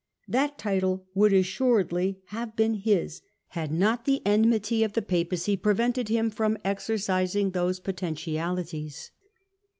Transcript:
That title would assuredly have been his, had not the enmity of the Papacy prevented him from exercising those potentialities.